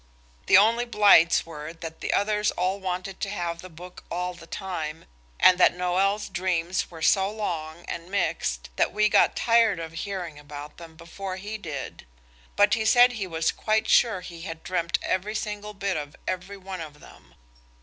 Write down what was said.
The only blights were that the others all wanted to have the book all the time, and that Noël's dreams were so long and mixed that we got tired of hearing about them before he did. But he said he was quite sure he had dreamed every single bit of every one of them.